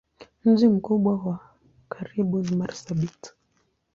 Mji mkubwa wa karibu ni Marsabit.